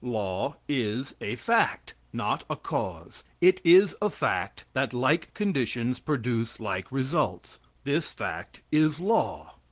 Law is a fact not a cause. It is a fact that like conditions produce like results; this fact is LAW.